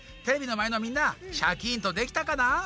テレビのまえのみんなシャキーン！とできたかな？